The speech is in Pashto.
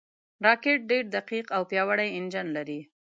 راکټ ډېر دقیق او پیاوړی انجن لري